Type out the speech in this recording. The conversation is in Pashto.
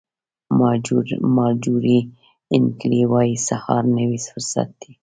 مارجوري هینکلي وایي سهار نوی فرصت دی.